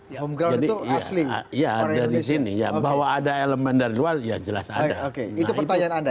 yang gede asli ya ada di sini yang bahwa ada elemen dari luar ya jelas ada oke itu pertanyaan